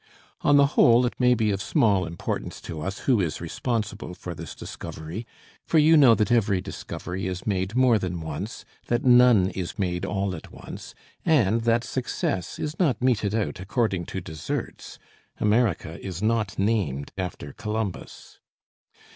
On the whole it may be of small importance to us who is responsible for this discovery, for you know that every discovery is made more than once, that none is made all at once, and that success is not meted out according to deserts. America is not named after Columbus.